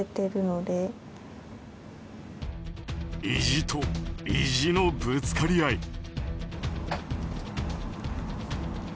意地と意地のぶつかり合い。